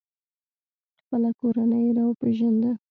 خپله کورنۍ یې را وپیژنده.